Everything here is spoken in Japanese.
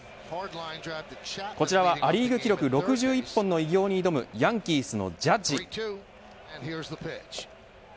こちらはア・リーグ記録６１本の偉業に挑むヤンキースのジャッジ。